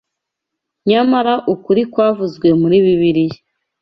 Nyamara ukuri kwavuzwe muri Bibiliya